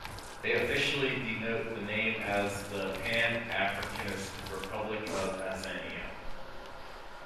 They officially denote the name as the "Pan-Africanist Republic of Azania".